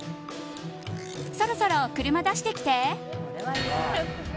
そろそろ車出してきて！